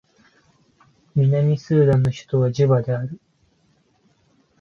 南スーダンの首都はジュバである